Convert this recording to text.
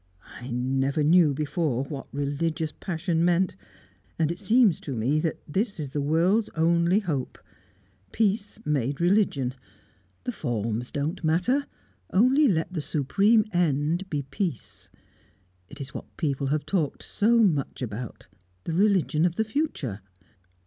I never knew before what religious passion meant. And it seems to me that this is the world's only hope peace made a religion. The forms don't matter; only let the supreme end be peace. It is what people have talked so much about the religion of the future."